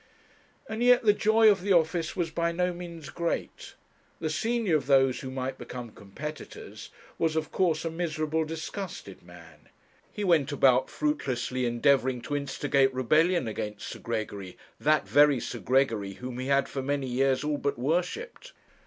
And yet the joy of the office was by no means great. The senior of those who might become competitors, was of course a miserable, disgusted man. He went about fruitlessly endeavouring to instigate rebellion against Sir Gregory, that very Sir Gregory whom he had for many years all but worshipped.